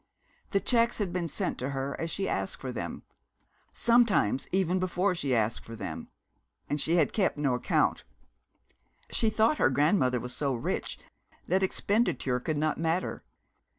The cheques had been sent her as she asked for them; sometimes even before she asked for them; and she had kept no account. She thought her grandmother was so rich that expenditure could not matter.